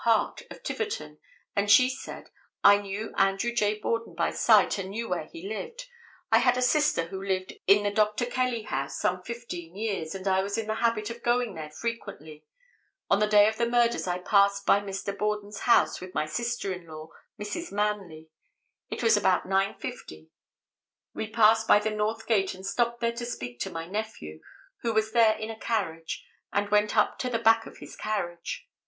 Hart, of Tiverton, and she said: "I knew Andrew J. Borden by sight, and knew where he lived; I had a sister who lived in the Dr. Kelly house some fifteen years, and I was in the habit of going there frequently; on the day of the murders I passed by Mr. Borden's house with my sister in law, Mrs. Manley; it was about 9:50; we passed by the north gate and stopped there to speak to my nephew, who was there in a carriage, and went up to the back of his carriage.